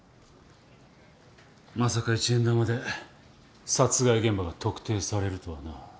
まさか一円玉で殺害現場が特定されるとはな。